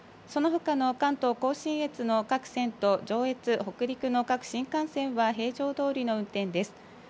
そのほかの関東甲信越の各線と、上越、北陸の各新幹線は平常どおりの運転です。